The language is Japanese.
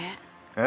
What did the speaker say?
え？